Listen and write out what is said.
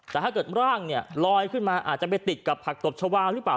แต่ถ้าเกิดร่างเนี่ยลอยขึ้นมาอาจจะไปติดกับผักตบชาวาหรือเปล่า